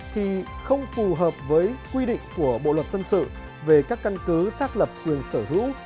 thì không phù hợp với quy định của bộ luật dân sự về các căn cứ xác lập quyền sở hữu